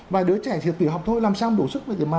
và đứa trẻ thì tiểu học thôi làm sao đủ sức